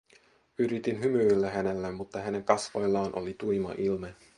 Yritin hymyillä hänelle, mutta hänen kasvoillaan oli tuima ilme.